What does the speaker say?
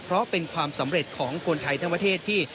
เพราะเป็นความสำเร็จของคนไทยทั้งประเทศที่